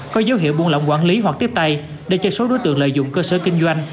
có dấu hiệu buôn lỏng quản lý hoặc tiếp tay để cho số đối tượng lợi dụng cơ sở kinh doanh